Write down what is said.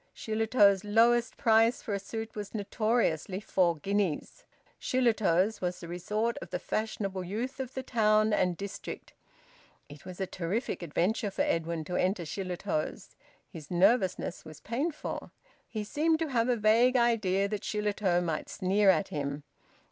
Shillitoe's lowest price for a suit was notoriously four guineas. Shillitoe's was the resort of the fashionable youth of the town and district. It was a terrific adventure for Edwin to enter Shillitoe's. His nervousness was painful. He seemed to have a vague idea that Shillitoe might sneer at him.